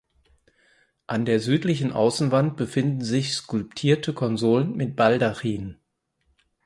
An der südlichen Außenwand befinden sich skulptierte Konsolen mit Baldachinen.